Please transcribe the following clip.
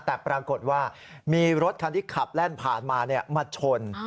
แต่ปรากฏว่ามีรถคันที่ขับแล่นผ่านมามาชน